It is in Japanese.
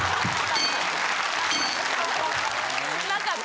・なかった！